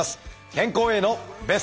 健康へのベスト。